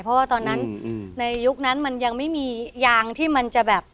เพราะว่าตอนนั้นในยุคนั้นมันยังไม่มียางที่มันจะแบบ